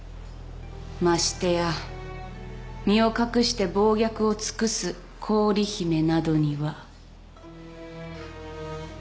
ましてや身を隠して暴虐を尽くす氷姫などには。